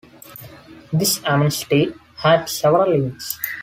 This amnesty had several limits.